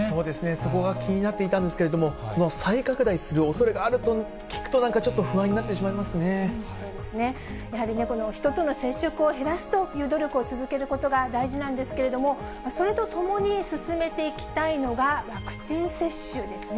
そこが気になっていたんですけれども、再拡大するおそれがあると聞くと、なんかちょっと不安になってしまやはり、人との接触を減らすという努力を続けることが大事なんですけれども、それとともに進めていきたいのが、ワクチン接種ですね。